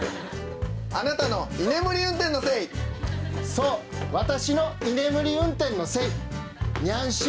あなたの居眠り運転のせいそう私の居眠り運転のせいニャン